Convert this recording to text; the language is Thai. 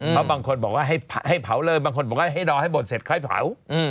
เพราะบางคนบอกว่าให้เผาเลยบางคนบอกว่าให้ดอให้บดเสร็จค่อยเผา